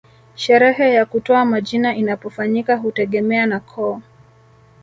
Sherehe ya kutoa majina inapofanyika hutegemea na koo